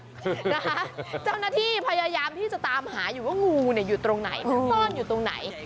นะคะเจ้าหน้าที่พยายามที่จะตามหาอยู่ว่างูเนี่ยอยู่ตรงไหน